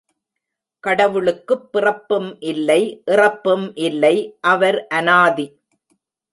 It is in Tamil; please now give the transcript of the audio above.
கடவுளுக்குப் பிறப்பும் இல்லை இறப்பும் இல்லை அவர் அனாதி.